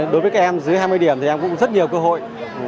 đối với các em dưới hai mươi điểm thì em cũng rất nhiều cơ hội